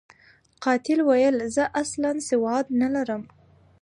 قاتل ویل، زه اصلاً سواد نلرم.